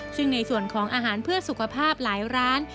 ซึ่งในส่วนของอาหารเพื่อสุขภาพหลายร้าน